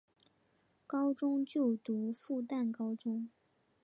高中就读复旦高中。